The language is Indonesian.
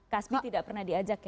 kasmi tidak pernah diajak